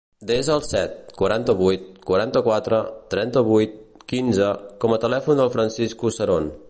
Desa el set, quaranta-vuit, quaranta-quatre, trenta-vuit, quinze com a telèfon del Francisco Ceron.